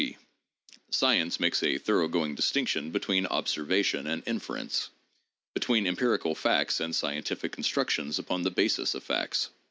... (c) Science makes a thoroughgoing distinction between ob servation and inference, between empirical facts and scientific con structions upon the basis of facts.